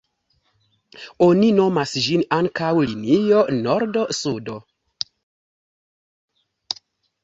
Oni nomas ĝin ankaŭ linio nordo-sudo.